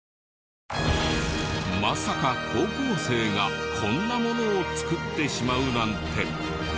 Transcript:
まさか高校生がこんなものを作ってしまうなんて。